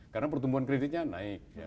karena pertumbuhan kreditnya naik